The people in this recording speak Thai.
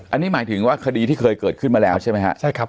อันนี้หมายถึงว่าคดีที่เคยเกิดขึ้นมาแล้วใช่ไหมฮะใช่ครับ